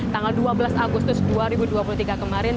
tanggal dua belas agustus dua ribu dua puluh tiga kemarin